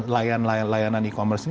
layanan e commerce ini masih berjalan